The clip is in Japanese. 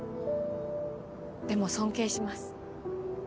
でも尊敬します。